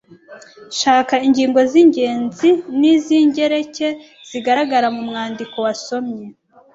Shaka ingingo z’ingenzi n’iz’ingereke zigaragara mu mwandiko wasomye.